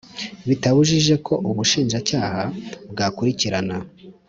bitabujije ko Ubushinjacyaha bwakurikirana